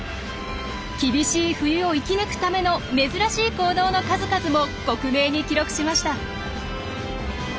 厳しい冬を生き抜くための珍しい行動の数々も克明に記録しました。